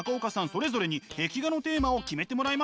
それぞれに壁画のテーマを決めてもらいました。